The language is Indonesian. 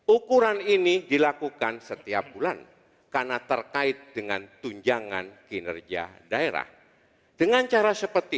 ukuran ini dilakukan setiap bulan karena terkait dengan tunjangan kinerja daerah dengan cara seperti